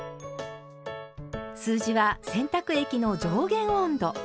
数字は「洗濯液の上限温度」。